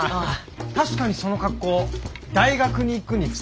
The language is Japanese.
確かにその格好大学に行くにふさわしいな。